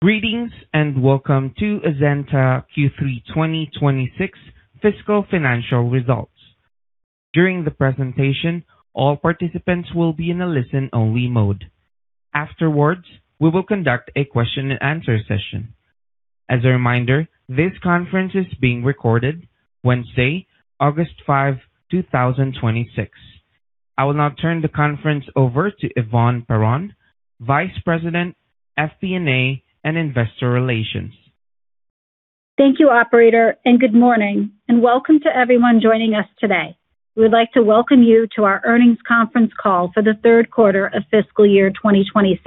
Greetings, welcome to Azenta Q3 2026 fiscal financial results. During the presentation, all participants will be in a listen-only mode. Afterwards, we will conduct a question and answer session. As a reminder, this conference is being recorded Wednesday, August 5, 2026. I will now turn the conference over to Yvonne Perron, Vice President, FP&A, and Investor Relations. Thank you, operator, good morning, welcome to everyone joining us today. We would like to welcome you to our earnings conference call for the third quarter of fiscal year 2026.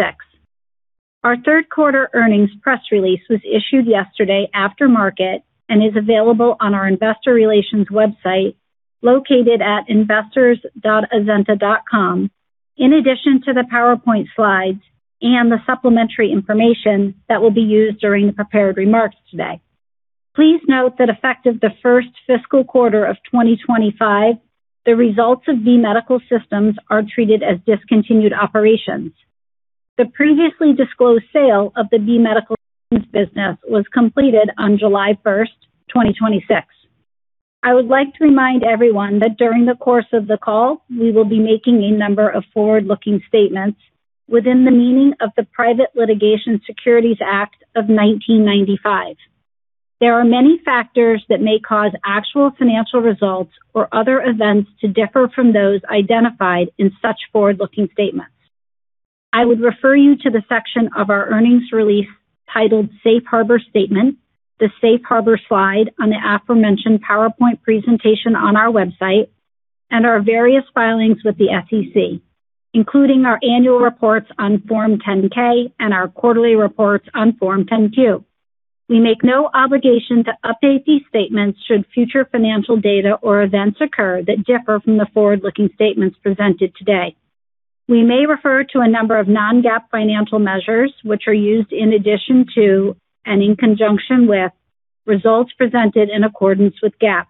Our third quarter earnings press release was issued yesterday after market and is available on our investor relations website, located at investors.azenta.com, in addition to the PowerPoint slides and the supplementary information that will be used during the prepared remarks today. Please note that effective the first fiscal quarter of 2025, the results of B Medical Systems are treated as discontinued operations. The previously disclosed sale of the B Medical Systems business was completed on July 1st, 2026. I would like to remind everyone that during the course of the call, we will be making a number of forward-looking statements within the meaning of the Private Securities Litigation Reform Act of 1995. There are many factors that may cause actual financial results or other events to differ from those identified in such forward-looking statements. I would refer you to the section of our earnings release titled Safe Harbor Statement, the Safe Harbor slide on the aforementioned PowerPoint presentation on our website, and our various filings with the SEC, including our annual reports on Form 10-K and our quarterly reports on Form 10-Q. We make no obligation to update these statements should future financial data or events occur that differ from the forward-looking statements presented today. We may refer to a number of non-GAAP financial measures, which are used in addition to and in conjunction with results presented in accordance with GAAP.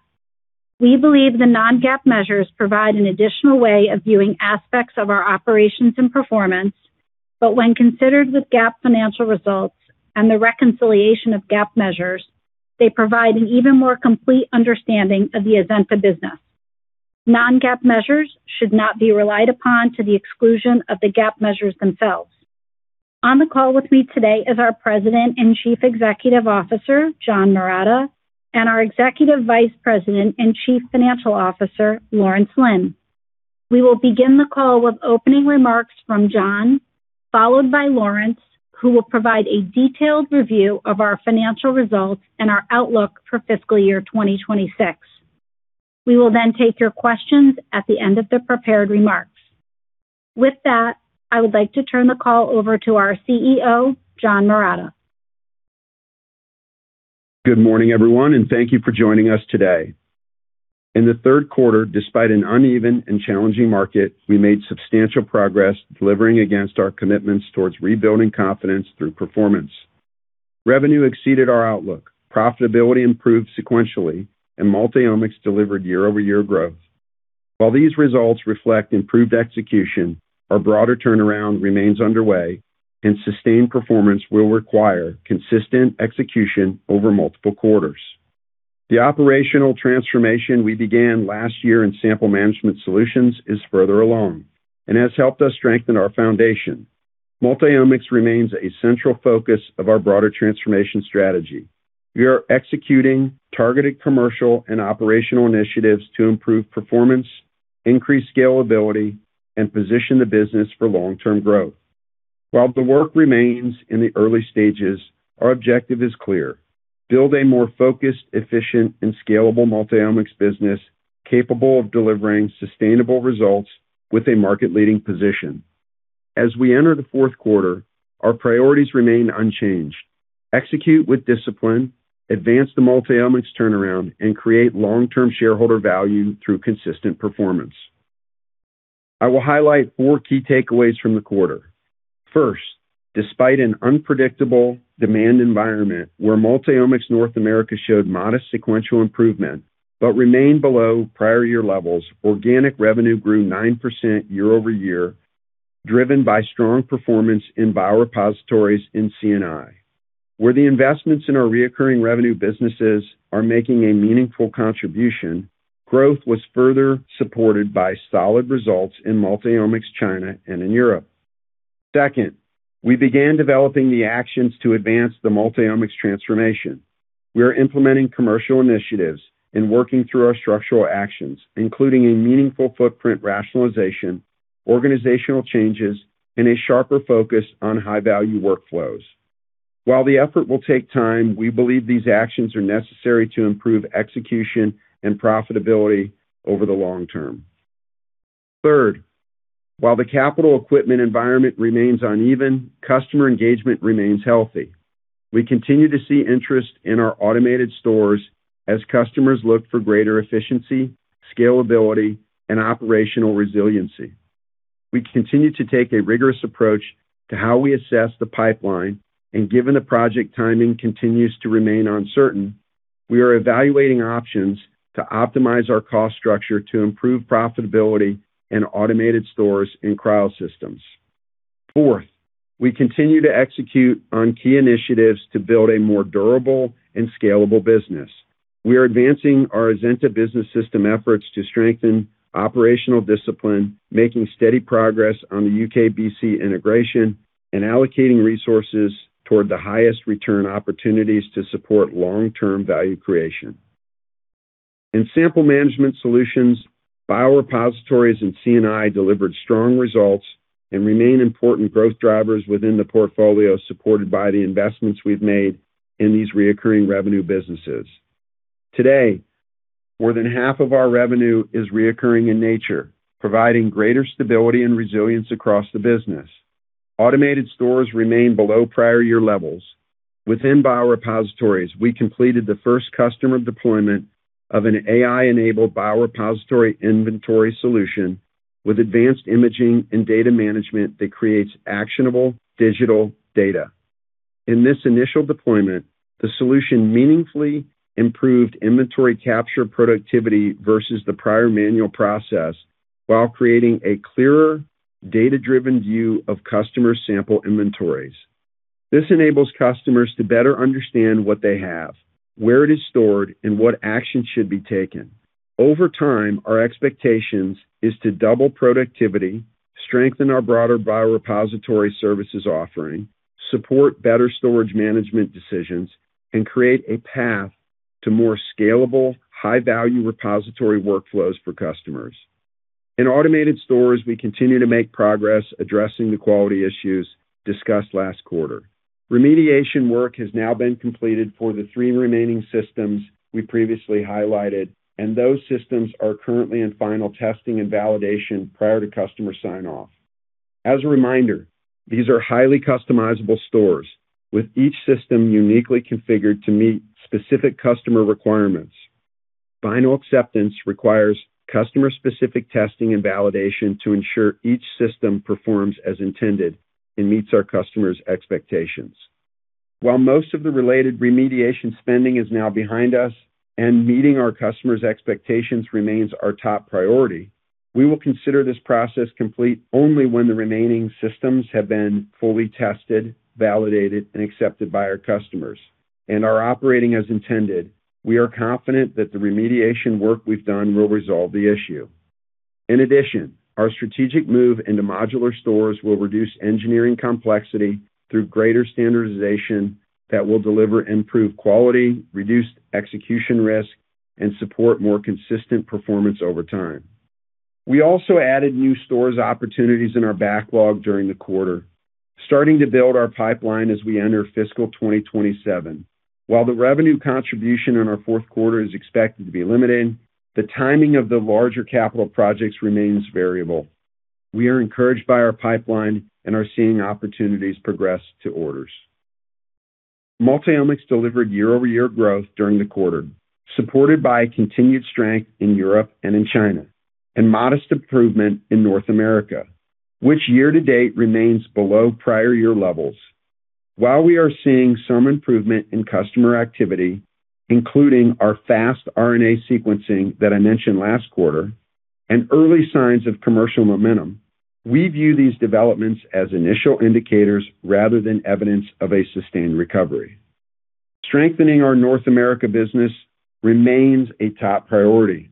We believe the non-GAAP measures provide an additional way of viewing aspects of our operations and performance, but when considered with GAAP financial results and the reconciliation of GAAP measures, they provide an even more complete understanding of the Azenta business. Non-GAAP measures should not be relied upon to the exclusion of the GAAP measures themselves. On the call with me today is our President and Chief Executive Officer, John Marotta, and our Executive Vice President and Chief Financial Officer, Lawrence Lin. We will begin the call with opening remarks from John, followed by Lawrence, who will provide a detailed review of our financial results and our outlook for fiscal year 2026. We will then take your questions at the end of the prepared remarks. With that, I would like to turn the call over to our CEO, John Marotta. Good morning, everyone, and thank you for joining us today. In the third quarter, despite an uneven and challenging market, we made substantial progress delivering against our commitments towards rebuilding confidence through performance. Revenue exceeded our outlook. Profitability improved sequentially, and Multiomics delivered year-over-year growth. While these results reflect improved execution, our broader turnaround remains underway, sustained performance will require consistent execution over multiple quarters. The operational transformation we began last year in Sample Management Solutions is further along and has helped us strengthen our foundation. Multiomics remains a central focus of our broader transformation strategy. We are executing targeted commercial and operational initiatives to improve performance, increase scalability, and position the business for long-term growth. While the work remains in the early stages, our objective is clear: build a more focused, efficient, and scalable Multiomics business capable of delivering sustainable results with a market-leading position. As we enter the fourth quarter, our priorities remain unchanged. Execute with discipline, advance the Multiomics turnaround, and create long-term shareholder value through consistent performance. I will highlight four key takeaways from the quarter. First, despite an unpredictable demand environment where Multiomics North America showed modest sequential improvement but remained below prior year levels, organic revenue grew 9% year-over-year, driven by strong performance in biorepositories in C&I, where the investments in our reoccurring revenue businesses are making a meaningful contribution. Growth was further supported by solid results in Multiomics China and in Europe. Second, we began developing the actions to advance the Multiomics transformation. We are implementing commercial initiatives and working through our structural actions, including a meaningful footprint rationalization, organizational changes, and a sharper focus on high-value workflows. While the effort will take time, we believe these actions are necessary to improve execution and profitability over the long- term. Third, while the capital equipment environment remains uneven, customer engagement remains healthy. We continue to see interest in our Automated Stores as customers look for greater efficiency, scalability, and operational resiliency. We continue to take a rigorous approach to how we assess the pipeline, given the project timing continues to remain uncertain. We are evaluating options to optimize our cost structure to improve profitability in Automated Stores and cryo systems. Fourth, we continue to execute on key initiatives to build a more durable and scalable business. We are advancing our Azenta Business System efforts to strengthen operational discipline, making steady progress on the U.K./BC integration, allocating resources toward the highest return opportunities to support long-term value creation. In Sample Management Solutions, biorepositories and C&I delivered strong results and remain important growth drivers within the portfolio, supported by the investments we've made in these reoccurring revenue businesses. Today, more than half of our revenue is reoccurring in nature, providing greater stability and resilience across the business. Automated Stores remain below prior year levels. Within biorepositories, we completed the first customer deployment of an AI-enabled biorepository inventory solution with advanced imaging and data management that creates actionable digital data. In this initial deployment, the solution meaningfully improved inventory capture productivity versus the prior manual process while creating a clearer data-driven view of customer sample inventories. This enables customers to better understand what they have, where it is stored, and what action should be taken. Over time, our expectations is to double productivity, strengthen our broader biorepository services offering, support better storage management decisions, and create a path to more scalable, high-value repository workflows for customers. In Automated Stores, we continue to make progress addressing the quality issues discussed last quarter. Remediation work has now been completed for the 3 remaining systems we previously highlighted, and those systems are currently in final testing and validation prior to customer sign-off. As a reminder, these are highly customizable Stores, with each system uniquely configured to meet specific customer requirements. Final acceptance requires customer-specific testing and validation to ensure each system performs as intended and meets our customers' expectations. While most of the related remediation spending is now behind us and meeting our customers' expectations remains our top priority, we will consider this process complete only when the remaining systems have been fully tested, validated, and accepted by our customers and are operating as intended. We are confident that the remediation work we've done will resolve the issue. Our strategic move into modular Stores will reduce engineering complexity through greater standardization that will deliver improved quality, reduced execution risk, and support more consistent performance over time. We also added new Stores opportunities in our backlog during the quarter, starting to build our pipeline as we enter fiscal 2027. While the revenue contribution in our fourth quarter is expected to be limited, the timing of the larger capital projects remains variable. We are encouraged by our pipeline and are seeing opportunities progress to orders. Multiomics delivered year-over-year growth during the quarter, supported by continued strength in Europe and in China, and modest improvement in North America, which year-to-date remains below prior year levels. While we are seeing some improvement in customer activity, including our fast RNA sequencing that I mentioned last quarter, and early signs of commercial momentum, we view these developments as initial indicators rather than evidence of a sustained recovery. Strengthening our North America business remains a top priority.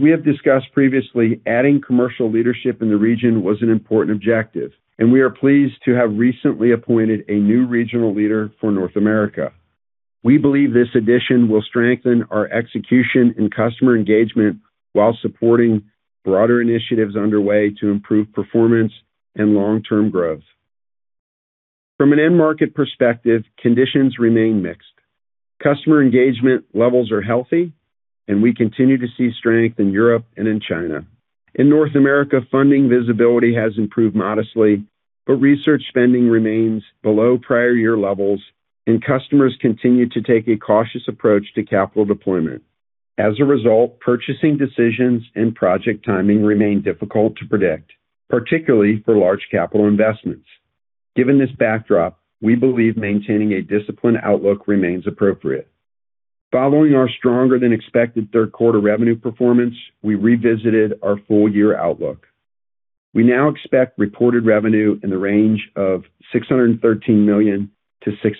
We have discussed previously, adding commercial leadership in the region was an important objective, and we are pleased to have recently appointed a new regional leader for North America. We believe this addition will strengthen our execution and customer engagement while supporting broader initiatives underway to improve performance and long-term growth. From an end market perspective, conditions remain mixed. Customer engagement levels are healthy, and we continue to see strength in Europe and in China. Funding visibility has improved modestly, research spending remains below prior year levels, and customers continue to take a cautious approach to capital deployment. Purchasing decisions and project timing remain difficult to predict, particularly for large capital investments. We believe maintaining a disciplined outlook remains appropriate. Following our stronger than expected third quarter revenue performance, we revisited our full year outlook. We now expect reported revenue in the range of $613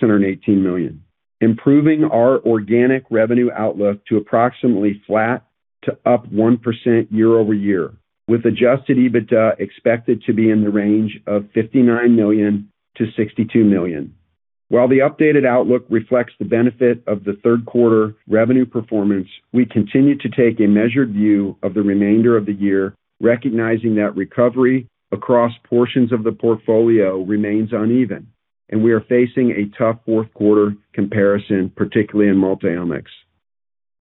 million-$618 million, improving our organic revenue outlook to approximately flat to up 1% year-over-year, with adjusted EBITDA expected to be in the range of $59 million-$62 million. While the updated outlook reflects the benefit of the third quarter revenue performance, we continue to take a measured view of the remainder of the year, recognizing that recovery across portions of the portfolio remains uneven, we are facing a tough fourth quarter comparison, particularly in Multiomics.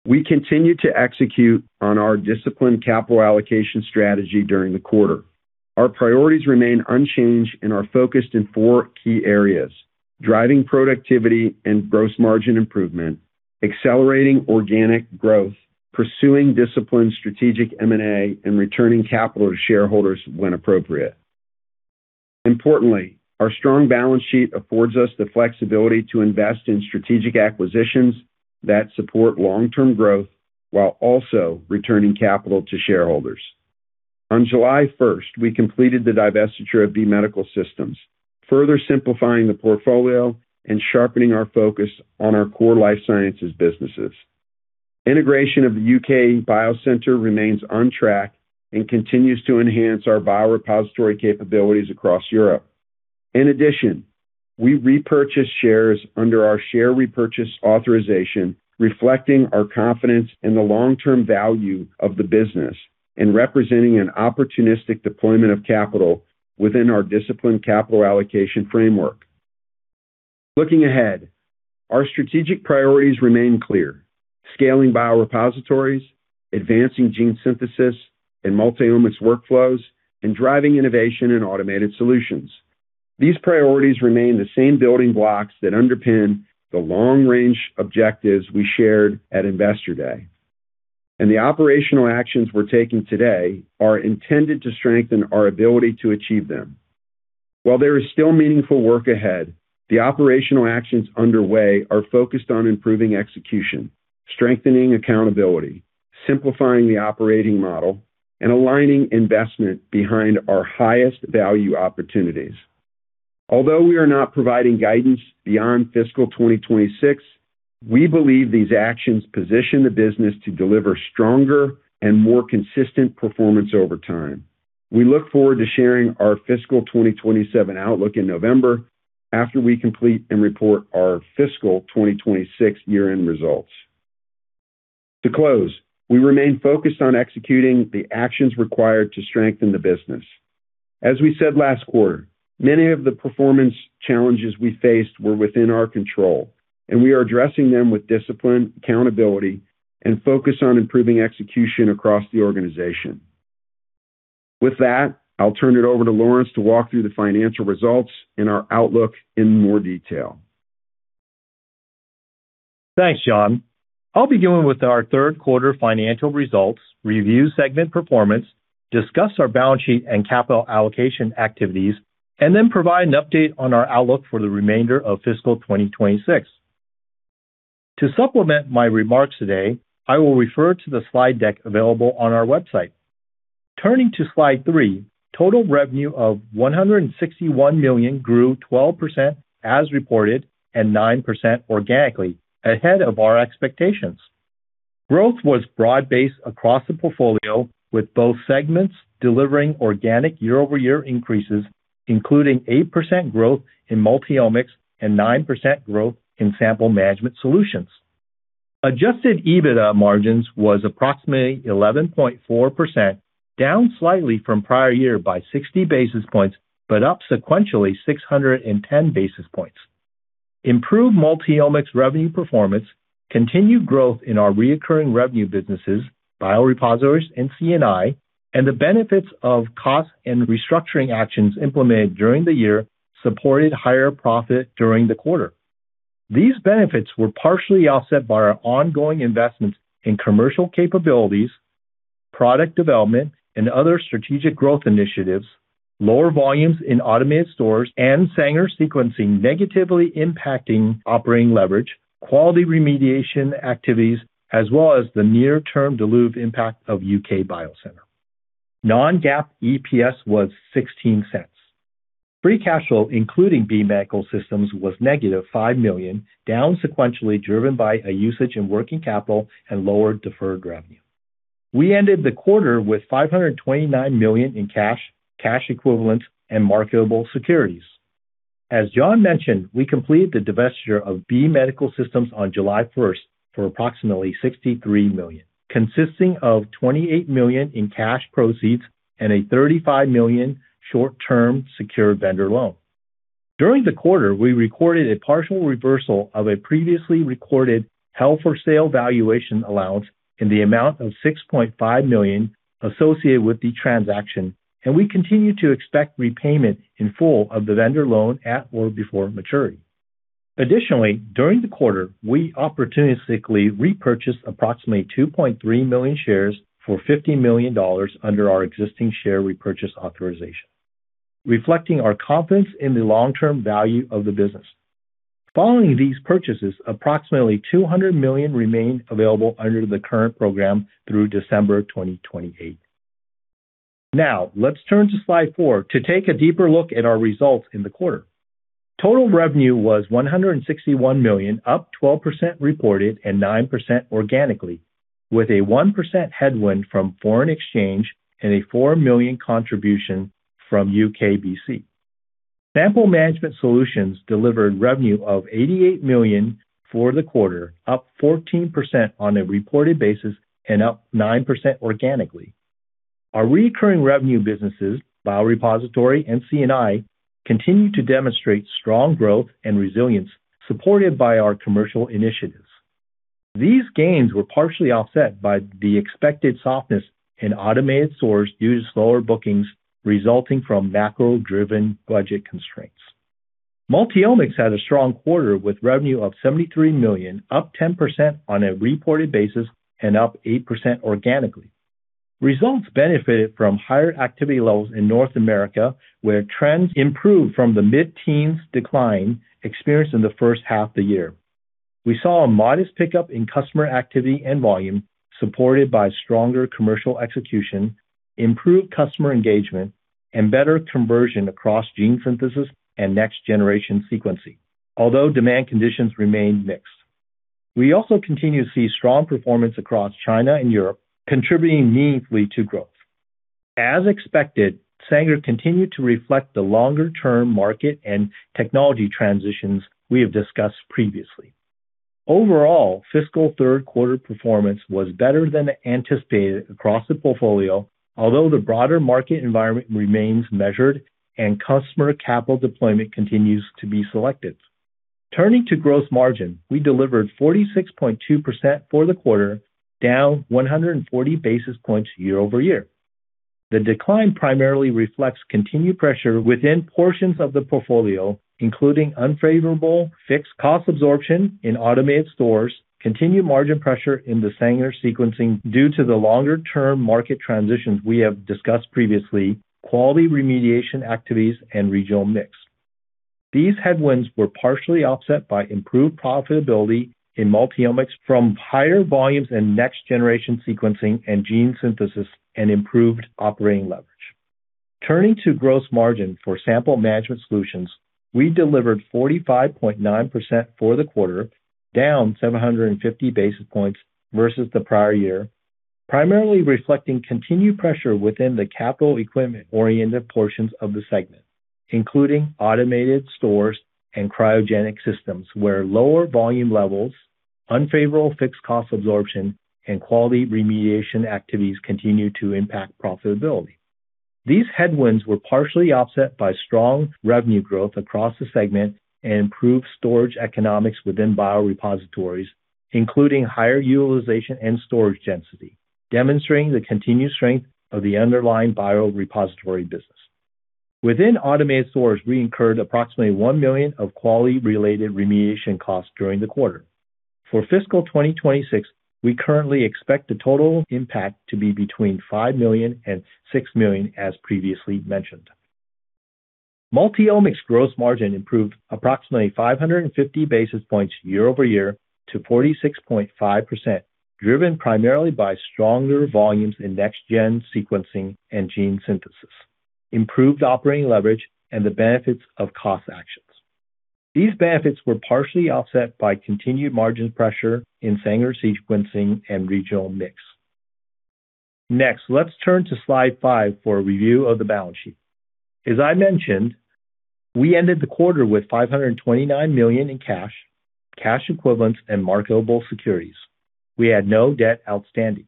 We continued to execute on our disciplined capital allocation strategy during the quarter. Our priorities remain unchanged and are focused in four key areas: driving productivity and gross margin improvement, accelerating organic growth, pursuing disciplined strategic M&A, and returning capital to shareholders when appropriate. Importantly, our strong balance sheet affords us the flexibility to invest in strategic acquisitions that support long-term growth while also returning capital to shareholders. On July 1st, we completed the divestiture of B Medical Systems, further simplifying the portfolio and sharpening our focus on our core life sciences businesses. Integration of the U.K. Biocentre remains on track and continues to enhance our biorepository capabilities across Europe. In addition, we repurchased shares under our share repurchase authorization, reflecting our confidence in the long-term value of the business and representing an opportunistic deployment of capital within our disciplined capital allocation framework. Looking ahead, our strategic priorities remain clear: scaling biorepositories, advancing Gene Synthesis and Multiomics workflows, and driving innovation in automated solutions. These priorities remain the same building blocks that underpin the long-range objectives we shared at Investor Day, the operational actions we're taking today are intended to strengthen our ability to achieve them. While there is still meaningful work ahead, the operational actions underway are focused on improving execution, strengthening accountability, simplifying the operating model, and aligning investment behind our highest value opportunities. We are not providing guidance beyond FY 2026, we believe these actions position the business to deliver stronger and more consistent performance over time. We look forward to sharing our FY 2027 outlook in November after we complete and report our FY 2026 year-end results. To close, we remain focused on executing the actions required to strengthen the business. As we said last quarter, many of the performance challenges we faced were within our control, we are addressing them with discipline, accountability, and focus on improving execution across the organization. With that, I'll turn it over to Lawrence to walk through the financial results and our outlook in more detail. Thanks, John. I'll begin with our third quarter financial results, review segment performance, discuss our balance sheet and capital allocation activities, provide an update on our outlook for the remainder of FY 2026. To supplement my remarks today, I will refer to the slide deck available on our website. Turning to slide three, total revenue of $161 million grew 12% as reported and 9% organically, ahead of our expectations. Growth was broad-based across the portfolio, with both segments delivering organic year-over-year increases, including 8% growth in Multiomics and 9% growth in Sample Management Solutions. Adjusted EBITDA margins was approximately 11.4%, down slightly from prior year by 60 basis points, but up sequentially 610 basis points. Improved Multiomics revenue performance, continued growth in our recurring revenue businesses, biorepositories and C&I, and the benefits of cost and restructuring actions implemented during the year supported higher profit during the quarter. These benefits were partially offset by our ongoing investments in commercial capabilities, product development, and other strategic growth initiatives, lower volumes in Automated Stores, and Sanger Sequencing negatively impacting operating leverage, quality remediation activities, as well as the near-term dilutive impact of UK Biocentre. Non-GAAP EPS was $0.16. Free cash flow, including B Medical Systems, was -$5 million, down sequentially, driven by a usage in working capital and lower deferred revenue. We ended the quarter with $529 million in cash equivalents, and marketable securities. As John mentioned, we completed the divestiture of B Medical Systems on July 1st for approximately $63 million, consisting of $28 million in cash proceeds and a $35 million short-term secured vendor loan. During the quarter, we recorded a partial reversal of a previously recorded held for sale valuation allowance in the amount of $6.5 million associated with the transaction, and we continue to expect repayment in full of the vendor loan at or before maturity. Additionally, during the quarter, we opportunistically repurchased approximately 2.3 million shares for $50 million under our existing share repurchase authorization, reflecting our confidence in the long-term value of the business. Following these purchases, approximately $200 million remain available under the current program through December 2028. Now, let's turn to slide four to take a deeper look at our results in the quarter. Total revenue was $161 million, up 12% reported and 9% organically, with a 1% headwind from foreign exchange and a $4 million contribution from UK BC. Sample Management Solutions delivered revenue of $88 million for the quarter, up 14% on a reported basis and up 9% organically. Our recurring revenue businesses, biorepository and C&I, continue to demonstrate strong growth and resilience supported by our commercial initiatives. These gains were partially offset by the expected softness in Automated Stores due to slower bookings resulting from macro-driven budget constraints. Multiomics had a strong quarter with revenue of $73 million, up 10% on a reported basis and up 8% organically. Results benefited from higher activity levels in North America, where trends improved from the mid-teens decline experienced in the first half of the year. We saw a modest pickup in customer activity and volume supported by stronger commercial execution, improved customer engagement, and better conversion across Gene Synthesis and Next Generation Sequencing, although demand conditions remained mixed. We also continue to see strong performance across China and Europe, contributing meaningfully to growth. As expected, Sanger continued to reflect the longer-term market and technology transitions we have discussed previously. Overall, fiscal third quarter performance was better than anticipated across the portfolio, although the broader market environment remains measured and customer capital deployment continues to be selective. Turning to gross margin, we delivered 46.2% for the quarter, down 140 basis points year-over-year. The decline primarily reflects continued pressure within portions of the portfolio, including unfavorable fixed cost absorption in Automated Stores, continued margin pressure in the Sanger Sequencing due to the longer-term market transitions we have discussed previously, quality remediation activities, and regional mix. These headwinds were partially offset by improved profitability in Multiomics from higher volumes and Next Generation Sequencing and Gene Synthesis and improved operating leverage. Turning to gross margin for Sample Management Solutions, we delivered 45.9% for the quarter, down 750 basis points versus the prior year, primarily reflecting continued pressure within the capital equipment-oriented portions of the segment, including Automated Stores and cryogenic systems, where lower volume levels, unfavorable fixed cost absorption, and quality remediation activities continue to impact profitability. These headwinds were partially offset by strong revenue growth across the segment and improved storage economics within biorepositories, including higher utilization and storage density, demonstrating the continued strength of the underlying biorepository business. Within Automated Stores, we incurred approximately $1 million of quality-related remediation costs during the quarter. For fiscal 2026, we currently expect the total impact to be between $5 million and $6 million, as previously mentioned. Multiomics gross margin improved approximately 550 basis points year-over-year to 46.5%, driven primarily by stronger volumes in Next Gen Sequencing and Gene Synthesis, improved operating leverage, and the benefits of cost actions. These benefits were partially offset by continued margin pressure in Sanger Sequencing and regional mix. Let's turn to slide five for a review of the balance sheet. As I mentioned, we ended the quarter with $529 million in cash equivalents, and marketable securities. We had no debt outstanding.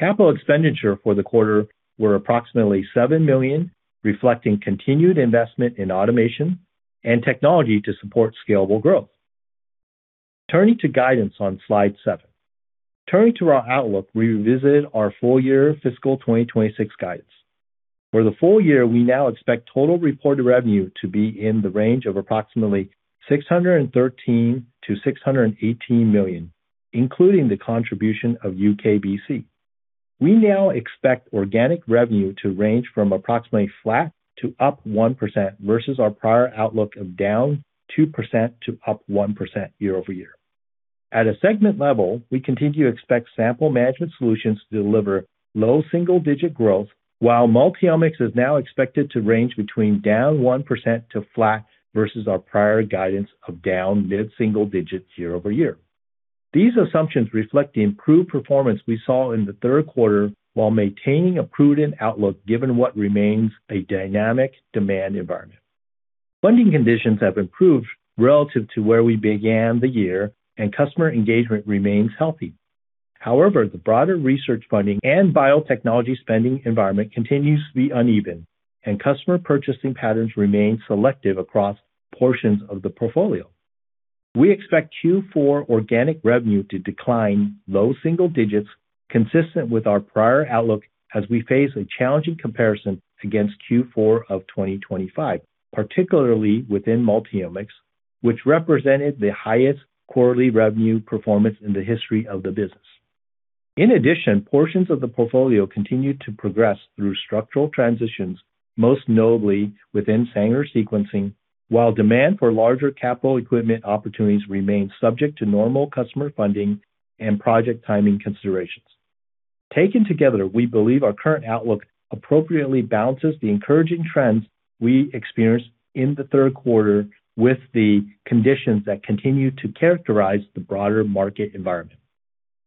Capital expenditure for the quarter were approximately $7 million, reflecting continued investment in automation and technology to support scalable growth. Turning to guidance on slide seven. Turning to our outlook, we revisited our full- year fiscal 2026 guidance. For the full- year, we now expect total reported revenue to be in the range of approximately $613 million to $618 million, including the contribution of UK BC. We now expect organic revenue to range from approximately flat to up 1% versus our prior outlook of down -2% to +1% year-over-year. At a segment level, we continue to expect Sample Management Solutions to deliver low double-digit growth, while Multiomics is now expected to range between down -1% to flat versus our prior guidance of down mid-single digits year-over-year. These assumptions reflect the improved performance we saw in the third quarter while maintaining a prudent outlook given what remains a dynamic demand environment. Funding conditions have improved relative to where we began the year, and customer engagement remains healthy. The broader research funding and biotechnology spending environment continues to be uneven, and customer purchasing patterns remain selective across portions of the portfolio. We expect Q4 organic revenue to decline low single digits, consistent with our prior outlook as we face a challenging comparison against Q4 of 2025, particularly within Multiomics, which represented the highest quarterly revenue performance in the history of the business. Portions of the portfolio continued to progress through structural transitions, most notably within Sanger Sequencing, while demand for larger capital equipment opportunities remained subject to normal customer funding and project timing considerations. Taken together, we believe our current outlook appropriately balances the encouraging trends we experienced in the third quarter with the conditions that continue to characterize the broader market environment.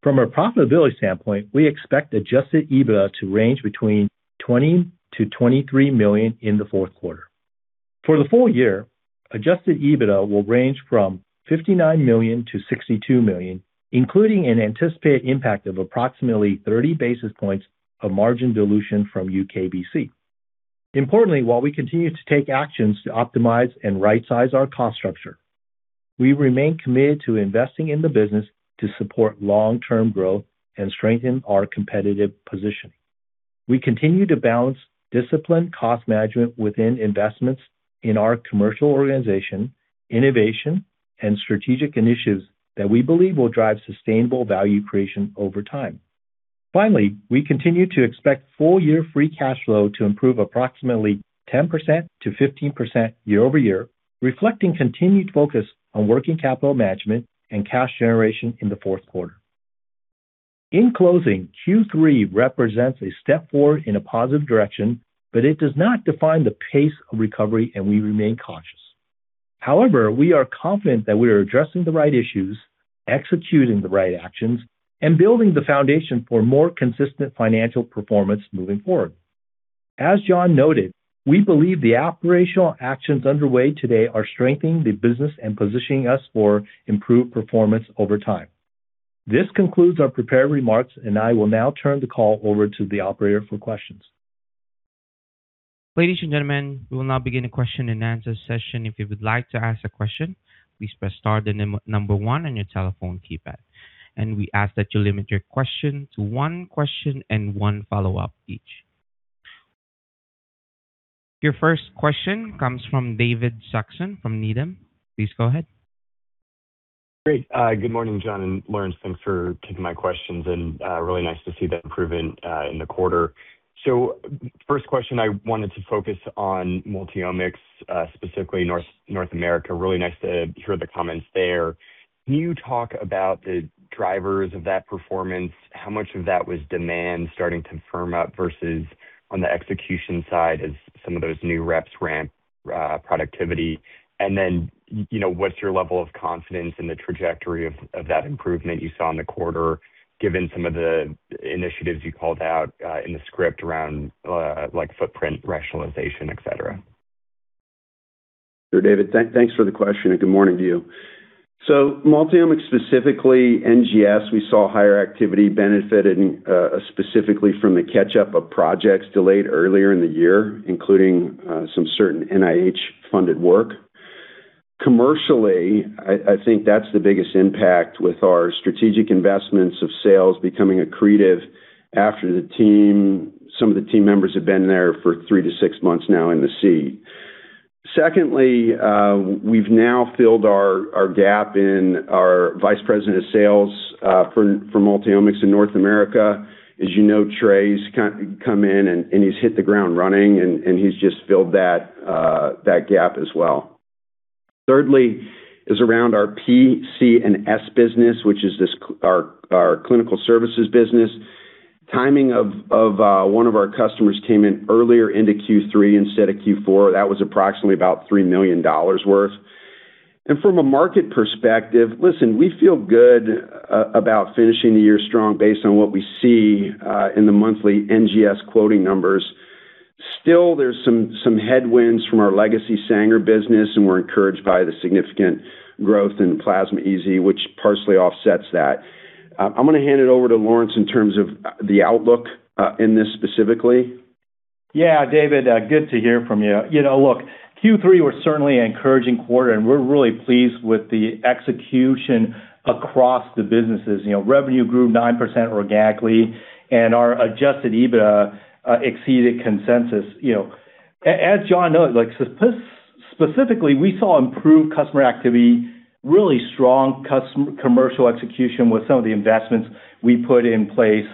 From a profitability standpoint, we expect adjusted EBITDA to range between $20 million to $23 million in the fourth quarter. For the full- year, adjusted EBITDA will range from $59 million to $62 million, including an anticipated impact of approximately 30 basis points of margin dilution from UK BC. Importantly, while we continue to take actions to optimize and rightsize our cost structure, we remain committed to investing in the business to support long-term growth and strengthen our competitive position. We continue to balance disciplined cost management within investments in our commercial organization, innovation, and strategic initiatives that we believe will drive sustainable value creation over time. Finally, we continue to expect full-year free cash flow to improve approximately 10%-15% year-over-year, reflecting continued focus on working capital management and cash generation in the fourth quarter. In closing, Q3 represents a step forward in a positive direction, but it does not define the pace of recovery, and we remain cautious. We are confident that we are addressing the right issues, executing the right actions, and building the foundation for more consistent financial performance moving forward. As John noted, we believe the operational actions underway today are strengthening the business and positioning us for improved performance over time. This concludes our prepared remarks, I will now turn the call over to the operator for questions. Ladies and gentlemen, we will now begin a question-and-answer session. If you would like to ask a question, please press star then number one on your telephone keypad. We ask that you limit your question to one question and one follow-up each. Your first question comes from David Saxon from Needham. Please go ahead. Great. Good morning, John and Lawrence. Thanks for taking my questions and really nice to see the improvement in the quarter. First question, I wanted to focus on Multiomics, specifically North America. Really nice to hear the comments there. Can you talk about the drivers of that performance? How much of that was demand starting to firm up versus on the execution side as some of those new reps ramp productivity? What's your level of confidence in the trajectory of that improvement you saw in the quarter, given some of the initiatives you called out in the script around footprint rationalization, et cetera? Sure, David. Thanks for the question and good morning to you. Multiomics, specifically NGS, we saw higher activity benefited specifically from the catch-up of projects delayed earlier in the year, including some certain NIH-funded work. Commercially, I think that's the biggest impact with our strategic investments of sales becoming accretive after some of the team members have been there for three to six months now in the seat. Secondly, we've now filled our gap in our Vice President of Sales for Multiomics in North America. As you know, Trey's come in and he's hit the ground running, and he's just filled that gap as well. Thirdly is around our PC and S business, which is our clinical services business. Timing of one of our customers came in earlier into Q3 instead of Q4. That was approximately about $3 million worth. From a market perspective, listen, we feel good about finishing the year strong based on what we see in the monthly NGS quoting numbers. Still, there's some headwinds from our legacy Sanger business, and we're encouraged by the significant growth in Plasmid-EZ, which partially offsets that. I'm going to hand it over to Lawrence in terms of the outlook in this specifically. Yeah, David. Good to hear from you. Look, Q3 was certainly an encouraging quarter, and we're really pleased with the execution across the businesses. Revenue grew 9% organically, and our adjusted EBITDA exceeded consensus. As John noted, specifically, we saw improved customer activity, really strong commercial execution with some of the investments we put in place,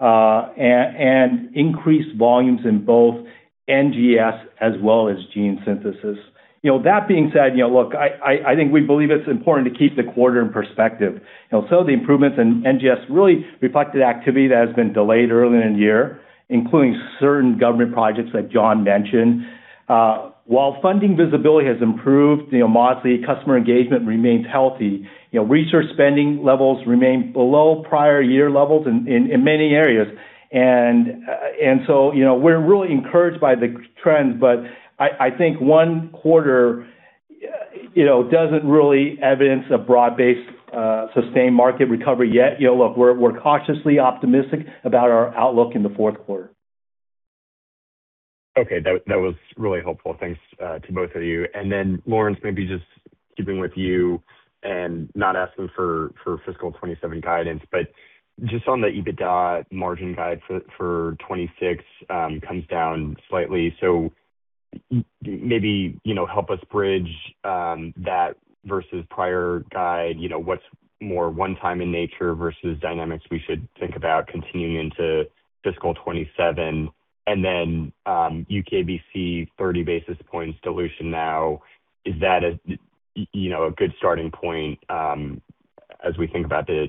and increased volumes in both NGS as well as Gene Synthesis. That being said, look, I think we believe it's important to keep the quarter in perspective. Some of the improvements in NGS really reflected activity that has been delayed earlier in the year, including certain government projects that John mentioned. While funding visibility has improved modestly, customer engagement remains healthy. Research spending levels remain below prior year levels in many areas. We're really encouraged by the trends, but I think one quarter doesn't really evidence a broad-based, sustained market recovery yet. Look, we're cautiously optimistic about our outlook in the fourth quarter. Okay. That was really helpful. Thanks to both of you. Lawrence, maybe just keeping with you and not asking for fiscal 2027 guidance, but just on the EBITDA margin guide for 2026 comes down slightly. Maybe help us bridge that versus prior guide. What is more one time in nature versus dynamics we should think about continuing into fiscal 2027? UKBC 30 basis points dilution now, is that a good starting point as we think about the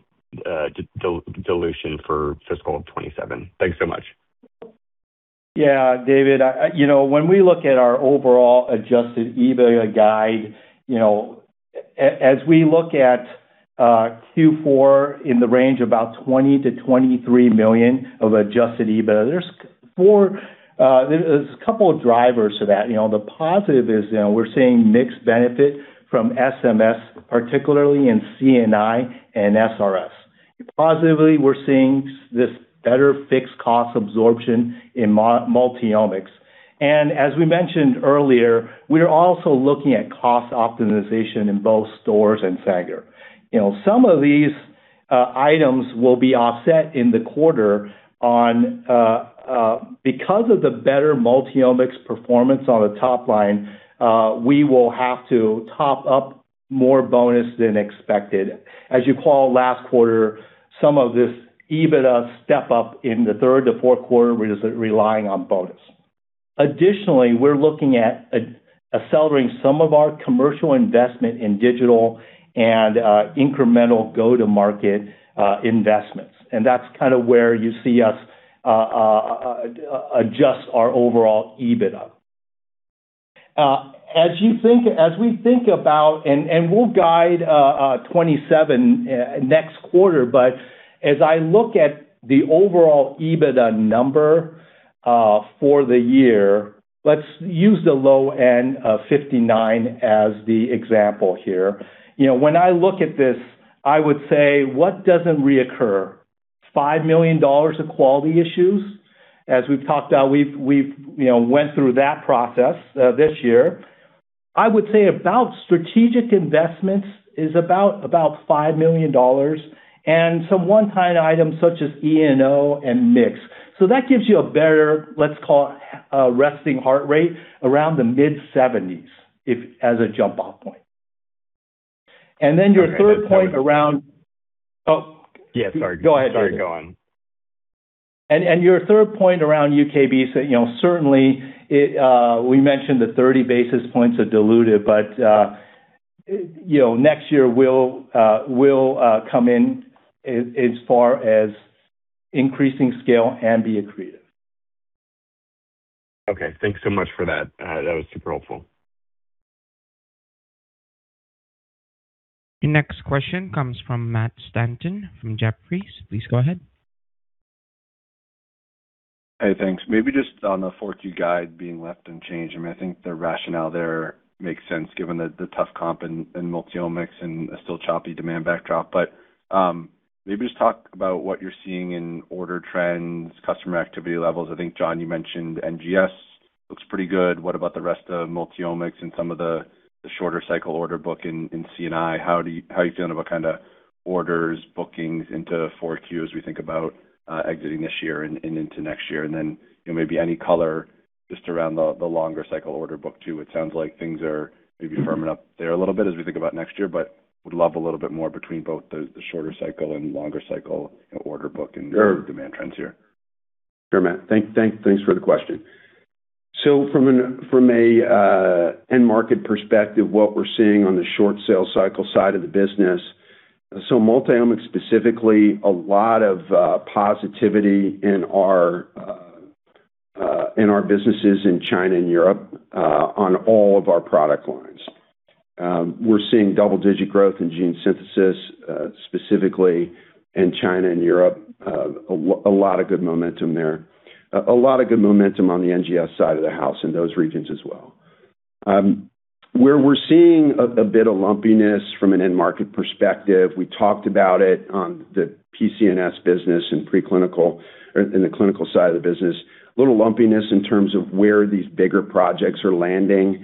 dilution for fiscal 2027? Thanks so much. Yeah, David. When we look at our overall adjusted EBITDA guide, as we look at Q4 in the range about $20 million-$23 million of adjusted EBITDA, there is a couple of drivers to that. The positive is we are seeing mixed benefit from SMS, particularly in CNI and SRS. Positively, we are seeing this better fixed cost absorption in Multiomics. As we mentioned earlier, we are also looking at cost optimization in both Stores and Sanger. Some of these items will be offset in the quarter because of the better Multiomics performance on the top line, we will have to top up more bonus than expected. As you call last quarter, some of this EBITDA step-up in the third to fourth quarter is relying on bonus. Additionally, we are looking at accelerating some of our commercial investment in digital and incremental go-to-market investments. That is where you see us adjust our overall EBITDA. As we think about, we will guide 2027 next quarter, but as I look at the overall EBITDA number for the year, let us use the low end of 59 as the example here. When I look at this, I would say, what does not reoccur? $5 million of quality issues. As we have talked about, we have went through that process this year. I would say about strategic investments is about $5 million, and some one-time items such as E&O and mix. That gives you a better, let us call it, resting heart rate around the mid-70s as a jump-off point. Your third point around- Yeah, sorry. Go ahead. Sorry, go on. Your third point around UK BC, certainly we mentioned the 30 basis points are diluted, but next year will come in as far as increasing scale and be accretive. Okay, thanks so much for that. That was super helpful. Your next question comes from Matt Stanton from Jefferies. Please go ahead. Hey, thanks. Maybe just on the 4Q guide being left unchanged. I mean, I think the rationale there makes sense given the tough comp in Multiomics and a still choppy demand backdrop. Maybe just talk about what you're seeing in order trends, customer activity levels. I think, John, you mentioned NGS looks pretty good. What about the rest of Multiomics and some of the shorter cycle order book in C&I? How are you feeling about orders, bookings into 4Q as we think about exiting this year and into next year? Then maybe any color just around the longer cycle order book too. It sounds like things are maybe firming up there a little bit as we think about next year, would love a little bit more between both the shorter cycle and longer cycle order book and demand trends here. Sure, Matt. Thanks for the question. From an end market perspective, what we're seeing on the short sales cycle side of the business, Multiomics specifically, a lot of positivity in our businesses in China and Europe on all of our product lines. We're seeing double-digit growth in Gene Synthesis, specifically in China and Europe. A lot of good momentum there. A lot of good momentum on the NGS side of the house in those regions as well. Where we're seeing a bit of lumpiness from an end market perspective, we talked about it on the PCNS business in the clinical side of the business, a little lumpiness in terms of where these bigger projects are landing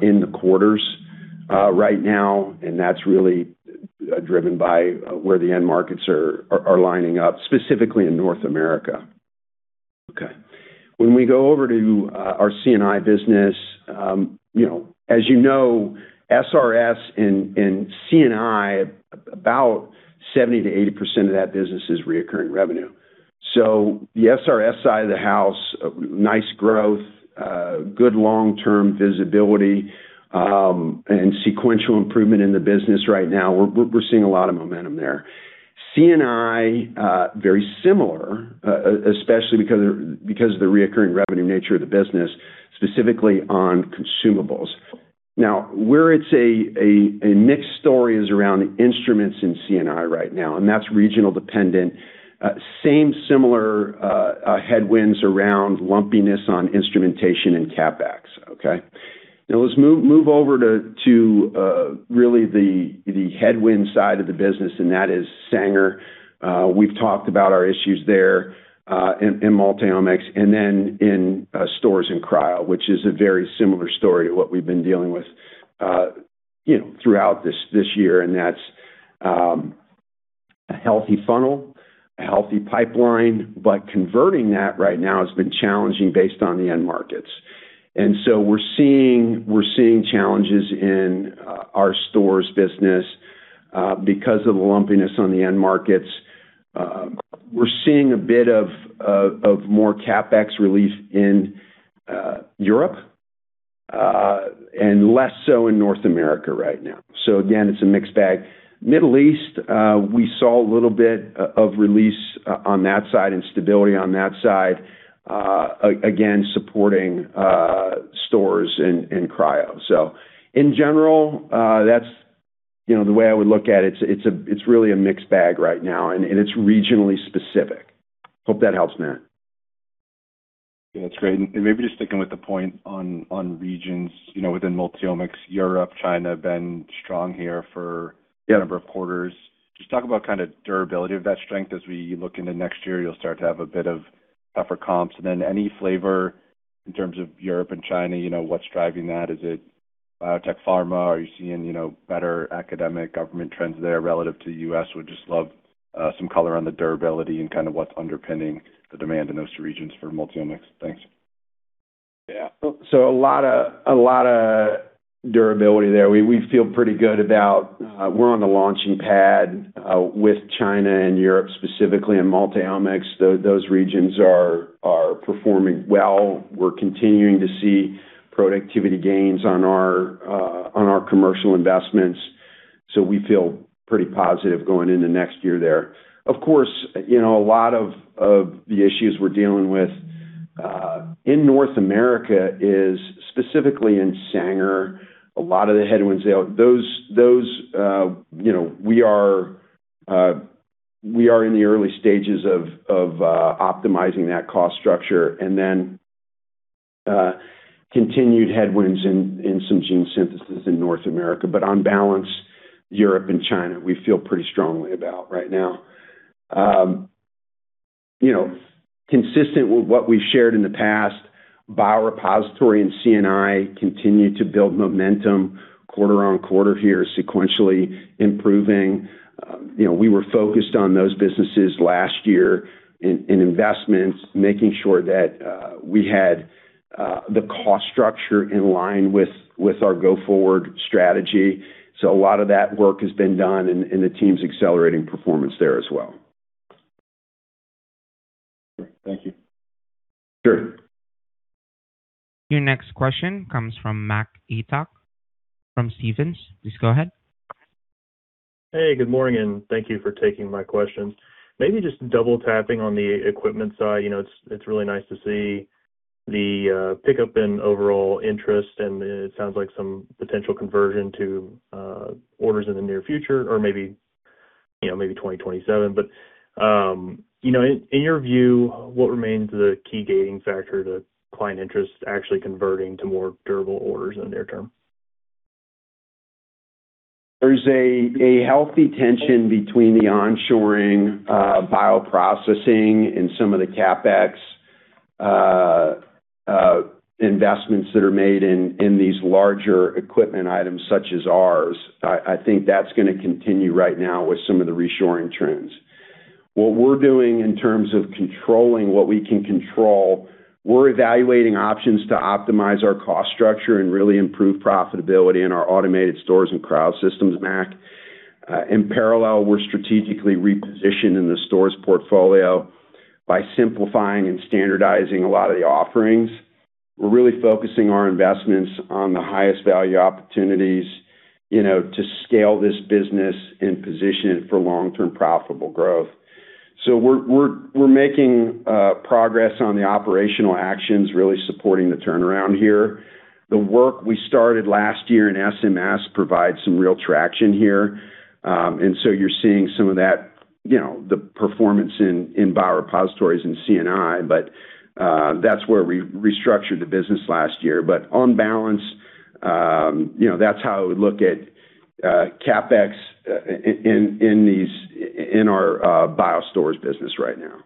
in the quarters right now, and that's really driven by where the end markets are lining up, specifically in North America. Okay. When we go over to our C&I business, as you know, SRS and C&I, about 70%-80% of that business is reoccurring revenue. The SRS side of the house, nice growth, good long-term visibility, sequential improvement in the business right now. We're seeing a lot of momentum there. C&I, very similar, especially because of the reoccurring revenue nature of the business, specifically on consumables. Where it's a mixed story is around instruments in C&I right now, and that's regional dependent. Same similar headwinds around lumpiness on instrumentation and CapEx, okay? Let's move over to really the headwind side of the business, that is Sanger. We've talked about our issues there in Multiomics and then in Stores and Cryo, which is a very similar story to what we've been dealing with throughout this year, and that's a healthy funnel, a healthy pipeline, but converting that right now has been challenging based on the end markets. We're seeing challenges in our Stores business because of the lumpiness on the end markets. We're seeing a bit of more CapEx release in Europe, and less so in North America right now. Again, it's a mixed bag. Middle East, we saw a little bit of release on that side and stability on that side, again, supporting Stores and Cryo. In general, that's the way I would look at it. It's really a mixed bag right now, and it's regionally specific. Hope that helps, Matt. Yeah, that's great. Maybe just sticking with the point on regions within Multiomics, Europe, China have been strong here. Yeah A number of quarters. Just talk about durability of that strength as we look into next year, you'll start to have a bit of tougher comps. Any flavor in terms of Europe and China, what's driving that? Is it biotech pharma? Are you seeing better academic government trends there relative to U.S.? Would just love some color on the durability and what's underpinning the demand in those two regions for Multiomics. Thanks. Yeah. A lot of durability there. We feel pretty good about, we're on the launching pad with China and Europe specifically in Multiomics. Those regions are performing well. We're continuing to see productivity gains on our commercial investments. We feel pretty positive going into next year there. A lot of the issues we're dealing with, in North America is specifically in Sanger, a lot of the headwinds there. We are in the early stages of optimizing that cost structure and then continued headwinds in some Gene Synthesis in North America. On balance, Europe and China, we feel pretty strongly about right now. Consistent with what we've shared in the past, BioRepository and CNI continue to build momentum quarter-on-quarter here, sequentially improving. We were focused on those businesses last year in investments, making sure that we had the cost structure in line with our go-forward strategy. A lot of that work has been done and the team's accelerating performance there as well. Great. Thank you. Sure. Your next question comes from Mac Etoch from Stephens. Please go ahead. Hey, good morning and thank you for taking my questions. Maybe just double-tapping on the equipment side. It's really nice to see the pickup in overall interest, and it sounds like some potential conversion to orders in the near future or maybe 2027. In your view, what remains the key gating factor to client interest actually converting to more durable orders in the near- term? There's a healthy tension between the onshoring bioprocessing and some of the CapEx investments that are made in these larger equipment items such as ours. I think that's going to continue right now with some of the reshoring trends. What we're doing in terms of controlling what we can control, we're evaluating options to optimize our cost structure and really improve profitability in our Automated Stores and cryo systems, Mac. In parallel, we're strategically repositioned in the Stores portfolio by simplifying and standardizing a lot of the offerings. We're really focusing our investments on the highest value opportunities to scale this business and position it for long-term profitable growth. We're making progress on the operational actions, really supporting the turnaround here. The work we started last year in SMS provides some real traction here. You're seeing some of that, the performance in biorepositories and CNI, but that's where we restructured the business last year. On balance, that's how I would look at CapEx in our BioStore business right now.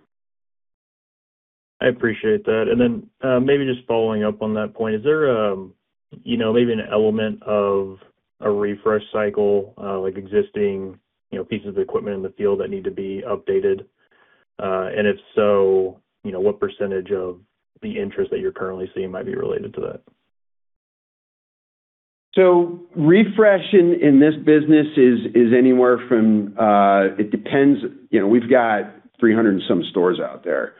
I appreciate that. Maybe just following up on that point, is there maybe an element of a refresh cycle, like existing pieces of equipment in the field that need to be updated? If so, what % of the interest that you're currently seeing might be related to that? Refresh in this business is anywhere from, it depends, we've got 300 and some Stores out there.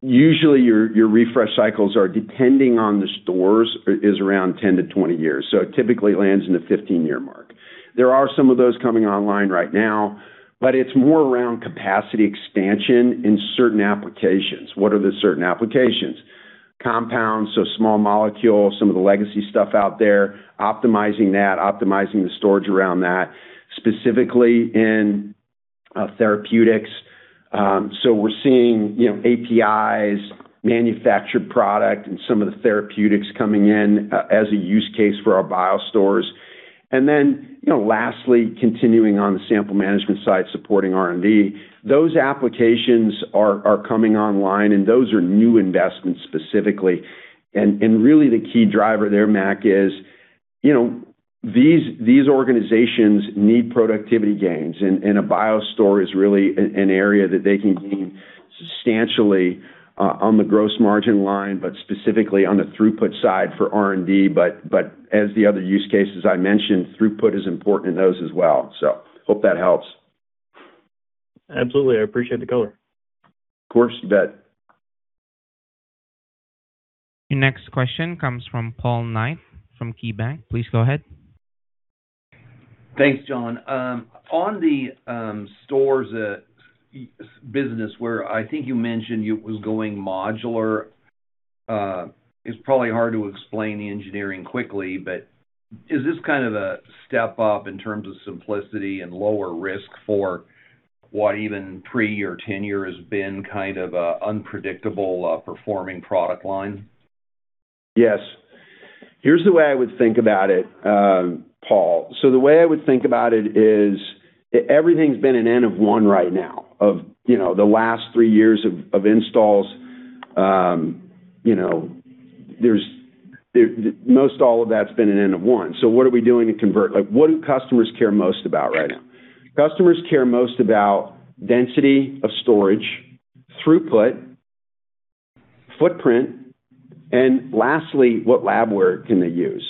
Usually, your refresh cycles are depending on the Stores, is around 10-20 years. It typically lands in the 15-year mark. There are some of those coming online right now, but it's more around capacity expansion in certain applications. What are the certain applications? Compounds, small molecules, some of the legacy stuff out there, optimizing that, optimizing the storage around that, specifically in therapeutics. We're seeing APIs, manufactured product, and some of the therapeutics coming in as a use case for our BioStore. Lastly, continuing on the sample management side, supporting R&D. Those applications are coming online, and those are new investments specifically. Really the key driver there, Mac, is these organizations need productivity gains, and a BioStore is really an area that they can gain substantially on the gross margin line, but specifically on the throughput side for R&D. As the other use cases I mentioned, throughput is important in those as well. Hope that helps. Absolutely. I appreciate the color. Of course. You bet. Your next question comes from Paul Knight from KeyBanc. Please go ahead. Thanks, John. On the Stores business where I think you mentioned it was going modular It's probably hard to explain the engineering quickly, but is this a step up in terms of simplicity and lower risk for what even pre your tenure has been kind of a unpredictable performing product line? Yes. Here's the way I would think about it, Paul. The way I would think about it is everything's been an N of one right now of the last three years of installs. Most all of that's been an N of one. What are we doing to convert? What do customers care most about right now? Customers care most about density of storage, throughput, footprint, and lastly, what labware can they use?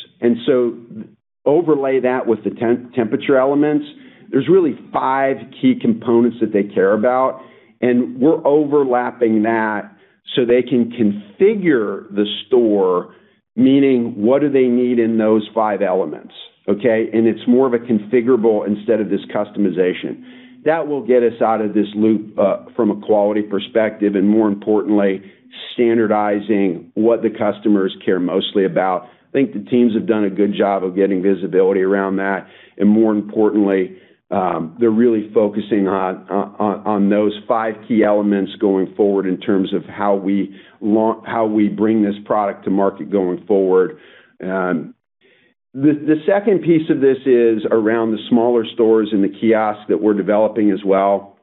Overlay that with the temperature elements. There's really five key components that they care about, and we're overlapping that so they can configure the Store, meaning what do they need in those five elements, okay? It's more of a configurable instead of this customization. That will get us out of this loop from a quality perspective, and more importantly, standardizing what the customers care mostly about. I think the teams have done a good job of getting visibility around that, and more importantly, they're really focusing on those five key elements going forward in terms of how we bring this product to market going forward. The second piece of this is around the smaller Stores and the kiosk that we're developing as well.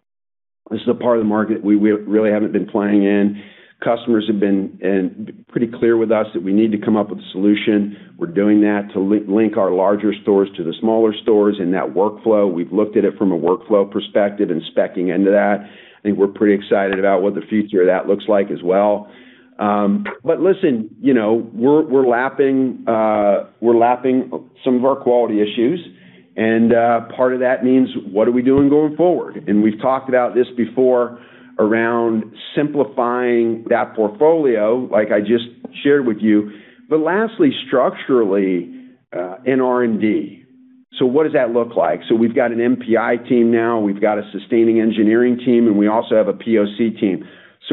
This is a part of the market we really haven't been playing in. Customers have been pretty clear with us that we need to come up with a solution. We're doing that to link our larger Stores to the smaller Stores in that workflow. We've looked at it from a workflow perspective and speccing into that. I think we're pretty excited about what the future of that looks like as well. Listen, we're lapping some of our quality issues, and part of that means what are we doing going forward? We've talked about this before around simplifying that portfolio like I just shared with you. Lastly, structurally, in R&D. What does that look like? We've got an NPI team now, we've got a sustaining engineering team, and we also have a POC team.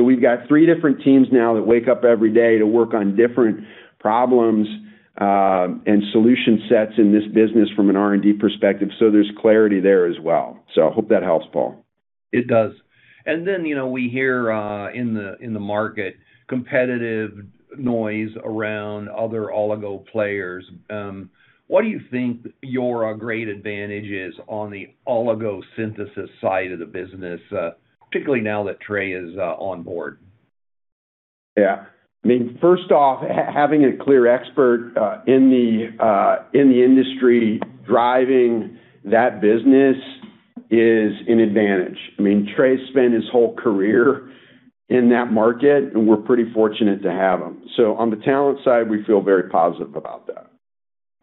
We've got three different teams now that wake up every day to work on different problems, and solution sets in this business from an R&D perspective. There's clarity there as well. I hope that helps, Paul. It does. We hear in the market competitive noise around other oligo players. What do you think your great advantage is on the oligo synthesis side of the business, particularly now that Trey is on board? Yeah. First off, having a clear expert in the industry driving that business is an advantage. Trey spent his whole career in that market, and we're pretty fortunate to have him. On the talent side, we feel very positive about that.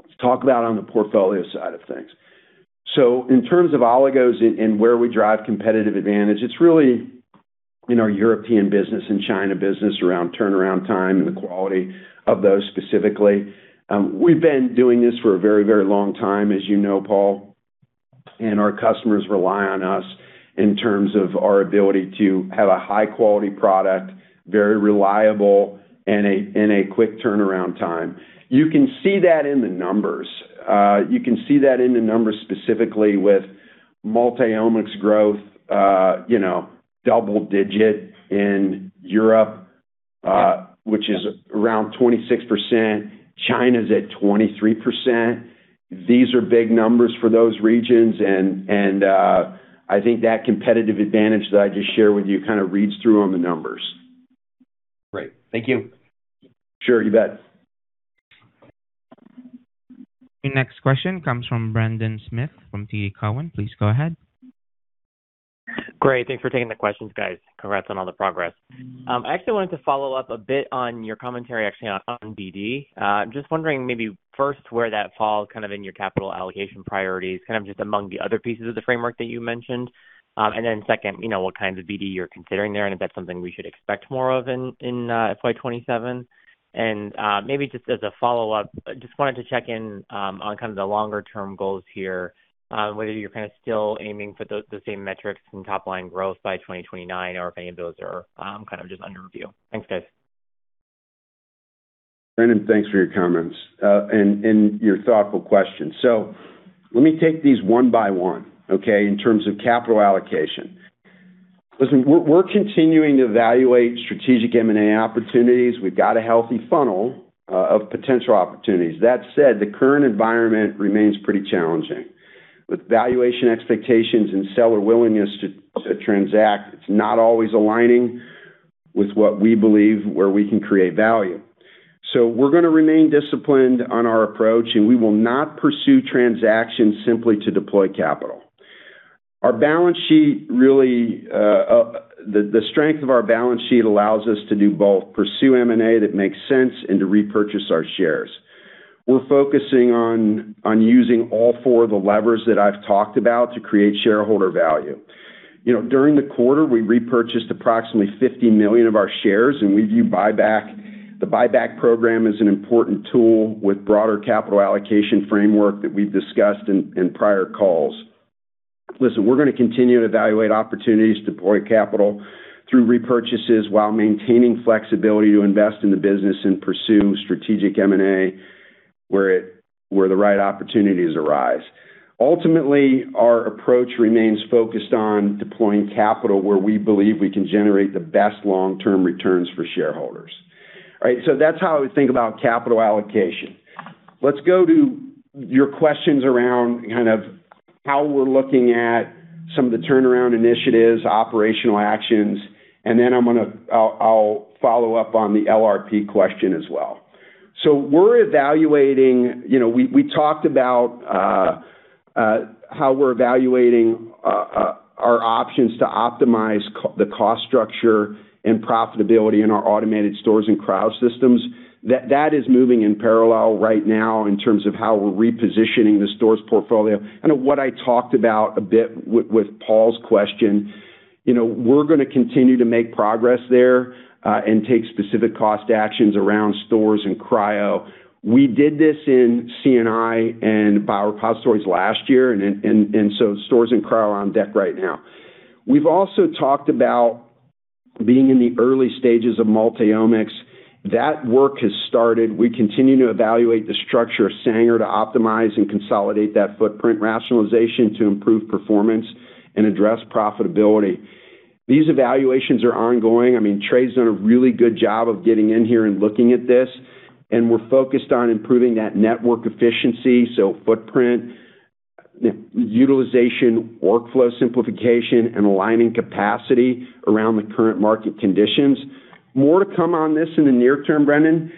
Let's talk about on the portfolio side of things. In terms of oligos and where we drive competitive advantage, it's really in our European business and China business around turnaround time and the quality of those specifically. We've been doing this for a very, very long time, as you know, Paul, and our customers rely on us in terms of our ability to have a high-quality product, very reliable, and a quick turnaround time. You can see that in the numbers. You can see that in the numbers specifically with Multiomics growth, double-digit in Europe, which is around 26%. China's at 23%. These are big numbers for those regions I think that competitive advantage that I just shared with you kind of reads through on the numbers. Great. Thank you. Sure. You bet. The next question comes from Brendan Smith from TD Cowen. Please go ahead. Great. Thanks for taking the questions, guys. Congrats on all the progress. I actually wanted to follow up a bit on your commentary, actually, on BD. Just wondering maybe first where that falls kind of in your capital allocation priorities, kind of just among the other pieces of the framework that you mentioned. Second, what kinds of BD you're considering there and if that's something we should expect more of in FY 2027. Maybe just as a follow-up, just wanted to check in on kind of the longer- term goals here, whether you're kind of still aiming for the same metrics in top line growth by 2029 or if any of those are kind of just under review. Thanks, guys. Brendan, thanks for your comments and your thoughtful question. Let me take these one by one, okay? In terms of capital allocation. Listen, we're continuing to evaluate strategic M&A opportunities. We've got a healthy funnel of potential opportunities. That said, the current environment remains pretty challenging. With valuation expectations and seller willingness to transact, it's not always aligning with what we believe where we can create value. We're going to remain disciplined on our approach, and we will not pursue transactions simply to deploy capital. The strength of our balance sheet allows us to do both, pursue M&A that makes sense and to repurchase our shares. We're focusing on using all four of the levers that I've talked about to create shareholder value. During the quarter, we repurchased approximately $50 million of our shares, and we view the buyback program as an important tool with broader capital allocation framework that we've discussed in prior calls. Listen, we're going to continue to evaluate opportunities to deploy capital through repurchases while maintaining flexibility to invest in the business and pursue strategic M&A, where the right opportunities arise. Ultimately, our approach remains focused on deploying capital where we believe we can generate the best long-term returns for shareholders. All right, that's how I would think about capital allocation. Let's go to your questions around how we're looking at some of the turnaround initiatives, operational actions, and I'll follow up on the LRP question as well. We talked about how we're evaluating our options to optimize the cost structure and profitability in our Automated Stores and cryo systems. That is moving in parallel right now in terms of how we're repositioning the Stores portfolio. What I talked about a bit with Paul's question, we're going to continue to make progress there, and take specific cost actions around Stores and Cryo. We did this in C&I and Biorepositories last year, Stores and Cryo are on deck right now. We've also talked about being in the early stages of Multiomics. That work has started. We continue to evaluate the structure of Sanger to optimize and consolidate that footprint rationalization to improve performance and address profitability. These evaluations are ongoing. Trey's done a really good job of getting in here and looking at this, and we're focused on improving that network efficiency. Footprint, utilization, workflow simplification, and aligning capacity around the current market conditions. More to come on this in the near- term, Brendan.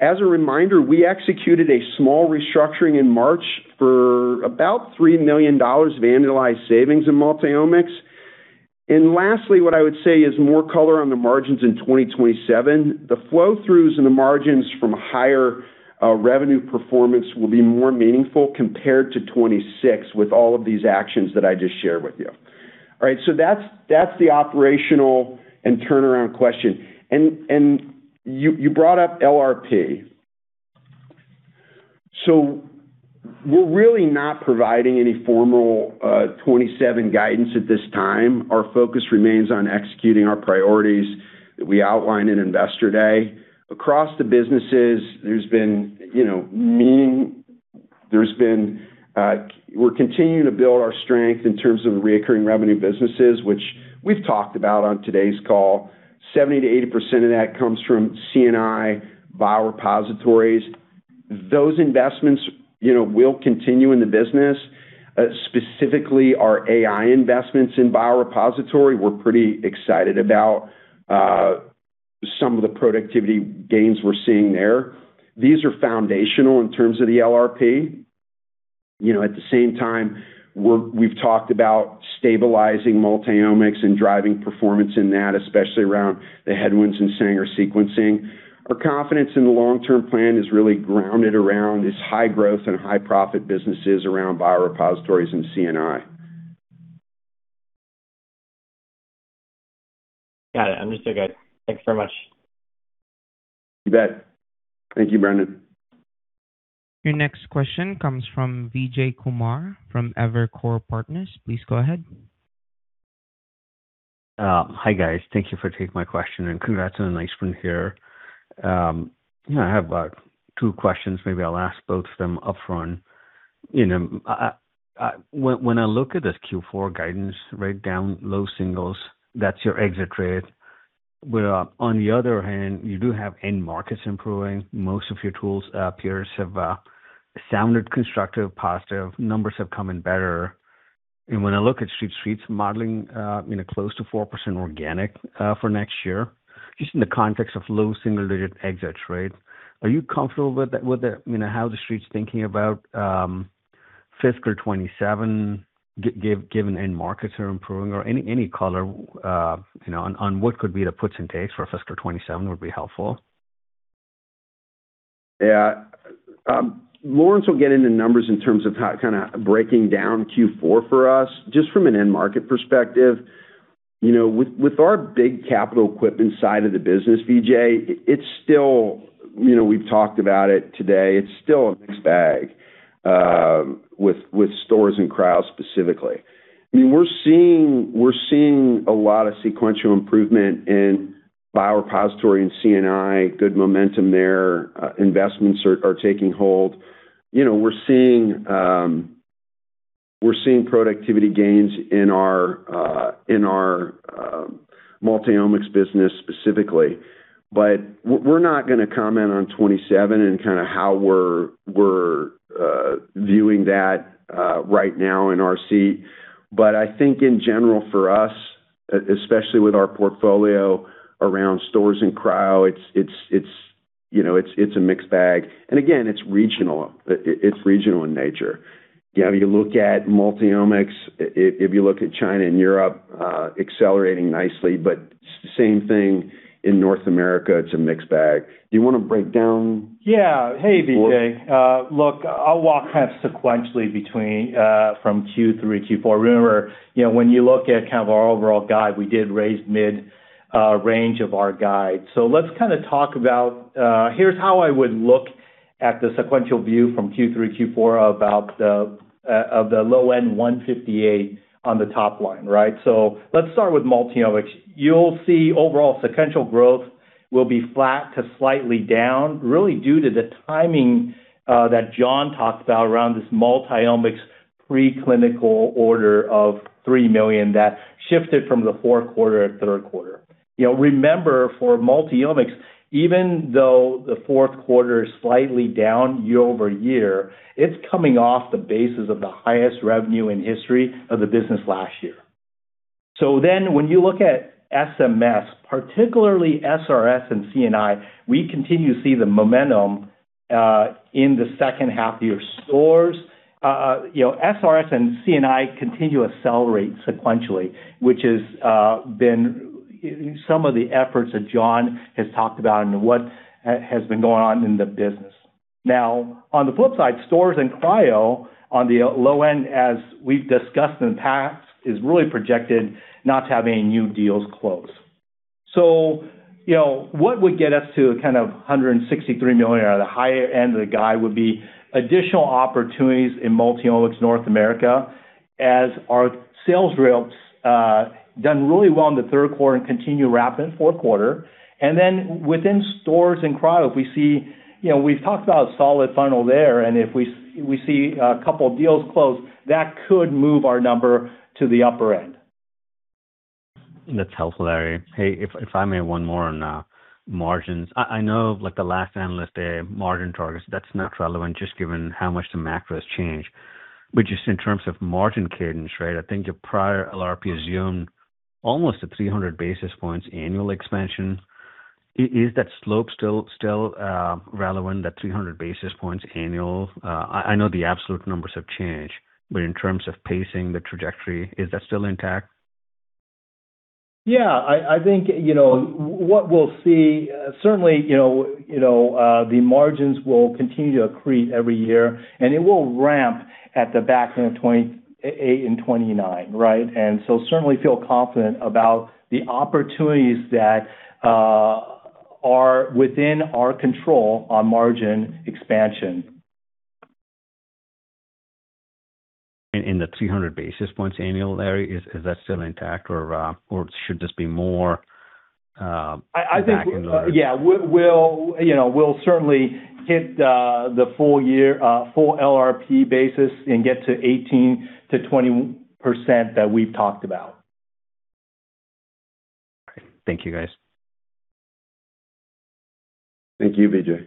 As a reminder, we executed a small restructuring in March for about $3 million of annualized savings in Multiomics. Lastly, what I would say is more color on the margins in 2027. The flow-throughs and the margins from a higher revenue performance will be more meaningful compared to 2026 with all of these actions that I just shared with you. All right, that's the operational and turnaround question. You brought up LRP. We're really not providing any formal 2027 guidance at this time. Our focus remains on executing our priorities that we outlined in Investor Day. Across the businesses, we're continuing to build our strength in terms of recurring revenue businesses, which we've talked about on today's call. 70%-80% of that comes from C&I, Biorepositories. Those investments will continue in the business. Specifically, our AI investments in Biorepository, we're pretty excited about some of the productivity gains we're seeing there. These are foundational in terms of the LRP. At the same time, we've talked about stabilizing Multiomics and driving performance in that, especially around the headwinds in Sanger Sequencing. Our confidence in the long-term plan is really grounded around these high growth and high profit businesses around Biorepositories and C&I. Got it. I'm just good. Thanks very much. You bet. Thank you, Brendan. Your next question comes from Vijay Kumar from Evercore Partners. Please go ahead. Hi, guys. Thank you for taking my question, and congrats on a nice one here. I have two questions. Maybe I'll ask both of them upfront. When I look at this Q4 guidance right down low singles, that's your exit rate. On the other hand, you do have end markets improving. Most of your tools peers have sounded constructive, positive. Numbers have come in better. When I look at Street's modeling close to 4% organic for next year, just in the context of low single-digit exits, right? Are you comfortable with how the Street's thinking about fiscal 2027, given end markets are improving? Any color on what could be the puts and takes for fiscal 2027 would be helpful. Yeah. Lawrence will get into numbers in terms of breaking down Q4 for us. Just from an end market perspective, with our big capital equipment side of the business, Vijay, we've talked about it today, it's still a mixed bag with Stores and Cryo specifically. We're seeing a lot of sequential improvement in biorepository and C&I, good momentum there. Investments are taking hold. We're seeing productivity gains in our Multiomics business specifically. We're not going to comment on fiscal 2027 and how we're viewing that right now in our seat. I think in general for us, especially with our portfolio around Stores and Cryo, it's a mixed bag. Again, it's regional in nature. You look at Multiomics, if you look at China and Europe, accelerating nicely, but same thing in North America, it's a mixed bag. Do you want to break down? Yeah. Hey, Vijay. Look, I'll walk sequentially from Q3 to Q4. Remember, when you look at our overall guide, we did raise mid range of our guide. Let's talk about Here's how I would look at the sequential view from Q3 to Q4 of the low end, $158 on the top line. Let's start with Multiomics. You'll see overall sequential growth will be flat to slightly down, really due to the timing that John talked about around this Multiomics preclinical order of $3 million that shifted from the fourth quarter to third quarter. Remember, for Multiomics, even though the fourth quarter is slightly down year-over-year, it's coming off the basis of the highest revenue in history of the business last year. When you look at SMS, particularly SRS and C&I, we continue to see the momentum in the second half of the year. Stores, SRS and C&I continue to accelerate sequentially, which has been some of the efforts that John talked about and what has been going on in the business. On the flip side, Stores and Cryo on the low end, as we've discussed in the past, is really projected not to have any new deals close. What would get us to the $163 million or the higher end of the guide would be additional opportunities in Multiomics North America as our sales reps done really well in the third quarter and continue rapid in fourth quarter. Within Stores and Cryo, we've talked about a solid funnel there, and if we see a couple deals close, that could move our number to the upper end. That's helpful, Larry. Hey, if I may, one more on margins. I know the last Analyst Day margin targets, that's not relevant just given how much the macro has changed. Just in terms of margin cadence, I think your prior LRP assumed almost a 300 basis points annual expansion. Is that slope still relevant, that 300 basis points annual? In terms of pacing the trajectory, is that still intact? Yeah, I think what we'll see, certainly the margins will continue to accrete every year, and it will ramp at the back end of 2028 and 2029. Certainly feel confident about the opportunities that are within our control on margin expansion. In the 300 basis points annual, Larry, is that still intact? Should this be more- I think- -back-ended? Yeah. We'll certainly hit the full LRP basis and get to 18%-20% that we've talked about. Thank you, guys. Thank you, Vijay.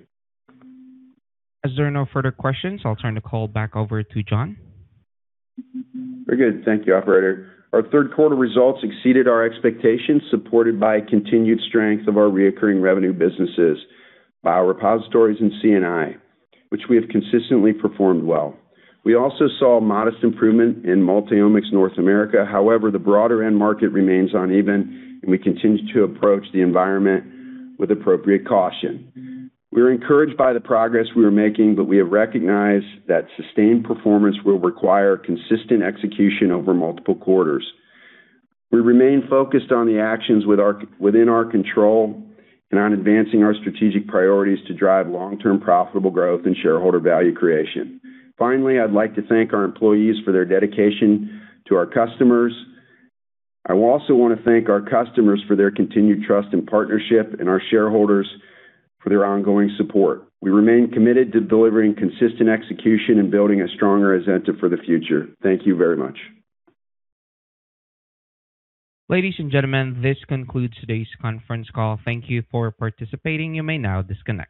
As there are no further questions, I'll turn the call back over to John. Very good. Thank you, operator. Our third quarter results exceeded our expectations, supported by continued strength of our reoccurring revenue businesses, biorepositories and C&I, which we have consistently performed well. We also saw modest improvement in Multiomics North America. The broader end market remains uneven, and we continue to approach the environment with appropriate caution. We're encouraged by the progress we are making, we have recognized that sustained performance will require consistent execution over multiple quarters. We remain focused on the actions within our control and on advancing our strategic priorities to drive long-term profitable growth and shareholder value creation. Finally, I'd like to thank our employees for their dedication to our customers. I also want to thank our customers for their continued trust and partnership and our shareholders for their ongoing support. We remain committed to delivering consistent execution and building a stronger Azenta for the future. Thank you very much. Ladies and gentlemen, this concludes today's conference call. Thank you for participating. You may now disconnect.